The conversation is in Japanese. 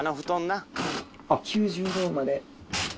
９０度まで。